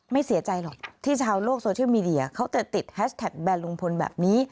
ไม่เสียใจหรอกที่ชาวโลกโซเชียลมีเดียเขาจะติดแฮชแท็กแบนลุงพลแบบนี้